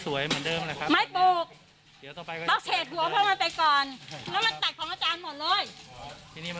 ตรงนี้สวยที่สุดเลยคนนึงมาถ่ายลูก